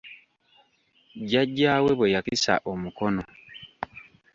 Jajjaawe bwe yakisa omukono.